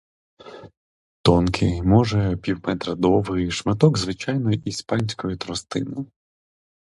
Тонкий, може, на півметра довгий, шматок звичайної іспанської тростини.